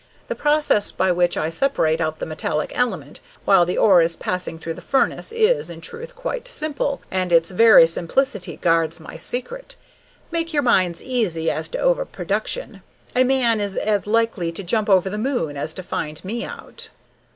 The process by which I separate out the metallic element while the ore is passing through the furnace is, in truth, quite simple, and its very simplicity guards my secret. Make your minds easy as to over production. A man is as likely to jump over the moon as to find me out."